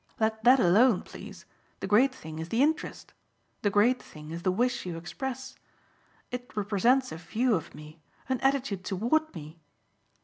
Let that alone, please. The great thing is the interest the great thing is the wish you express. It represents a view of me, an attitude toward me